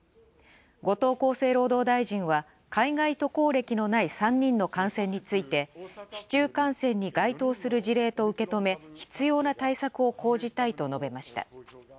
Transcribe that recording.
後藤厚生労働大臣は海外渡航歴のない３人の感染について市中感染に該当する事例と受け止め必要な対策を講じたいと述べました。